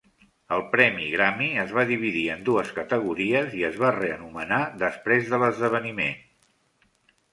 El premi Grammy es va dividir en dues categories i es va reanomenar després de l'esdeveniment.